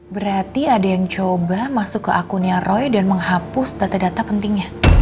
berarti ada yang coba masuk ke akunnya roy dan menghapus data data pentingnya